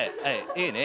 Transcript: いいね。